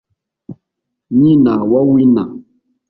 nyina wa Winner